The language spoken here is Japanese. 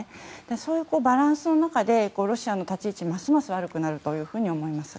そういうバランスの中でロシアの立ち位置はますます悪くなると思います。